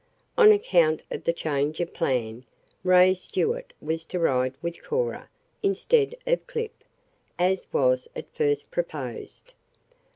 On account of the change of plan, Ray Stuart was to ride with Cora, instead of with Clip, as was at first proposed.